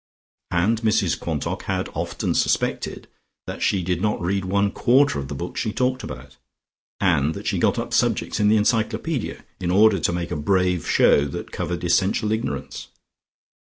And Mrs Quantock had often suspected that she did not read one quarter of the books she talked about, and that she got up subjects in the Encyclopaedia, in order to make a brave show that covered essential ignorance.